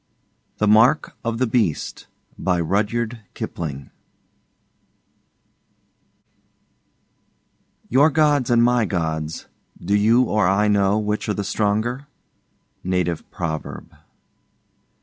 THE MARK OF THE BEAST Your Gods and my Gods do you or I know which are the stronger? Native Proverb.